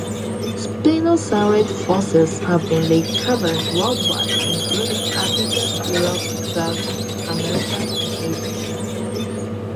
Spinosaurid fossils have been recovered worldwide, including Africa, Europe, South America, and Asia.